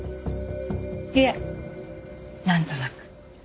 いえなんとなく。